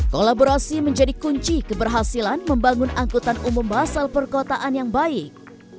kolaborasi menjadi kunci keberhasilan membangun angkutan umum asal perkotaan yang baik